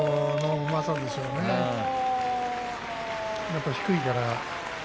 やっぱり低いから。